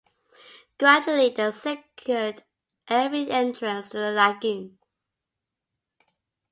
Gradually they secured every entrance to the lagoon.